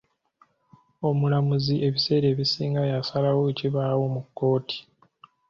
Omulamuzi ebiseera ebisinga y'asalawo ekibaawo mu kkooti.